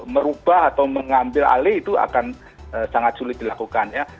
merubah atau mengambil alih itu akan sangat sulit dilakukan ya